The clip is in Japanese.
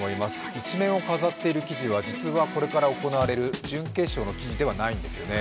１面を飾っている記事は実はこれから行われる準決勝の記事じゃないんですね。